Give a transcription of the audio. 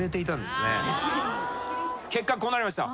結果こうなりました。